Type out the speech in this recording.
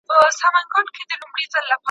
هغوی د بېوزلو خلګو سره مرسته کوي.